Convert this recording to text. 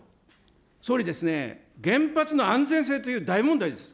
総理ですね、原発の安全性という大問題です。